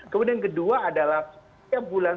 kemudian kedua adalah setiap bulan